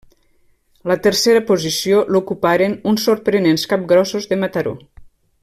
La tercera posició l'ocuparen uns sorprenents Capgrossos de Mataró.